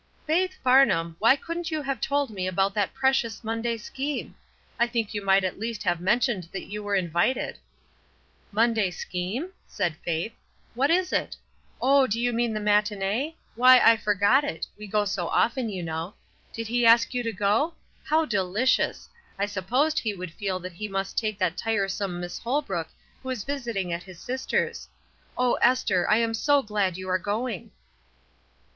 "Faith Farnham, why couldn't you have told me about that precious Monday scheme? I think you might at least have mentioned that you were invited." "'Monday scheme'?" said Faith. "What is 154 ESTER RIED'S NAMESAKE it? Oh, do you mean the matinee? Why, I forgot it; we go so often, you know. Did he ask you to go? How dehcious! I supposed he would feel that he must take that tiresome Miss Holbrook who is visiting at his sister's. Oh, Esther, I am so glad you are going!''